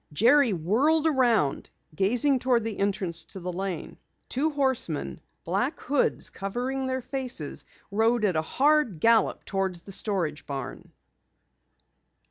Jerry whirled around, gazing toward the entrance to the lane. Two horsemen, black hoods covering their faces, rode at a hard gallop toward the storage barn.